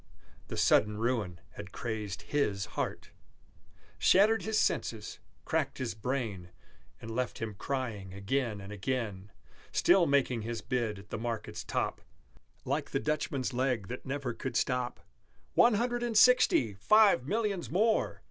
The sudden ruin had crazed his heart, Shattered his senses, cracked his brain, And left him crying again and again, Still making his bid at the market's top (Like the Dutchman's leg that never could stop), "One Hundred and Sixty Five Millions more!"